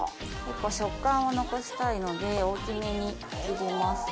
食感を残したいので大きめに切りますね。